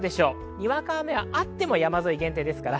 にわか雨はあっても山沿い限定です。